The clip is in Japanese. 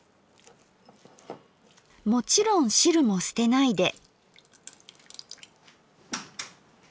もちろん汁も捨てないで。